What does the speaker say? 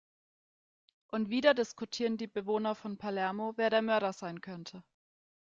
Und wieder diskutieren die Bewohner von Palermo, wer der Mörder sein könnte.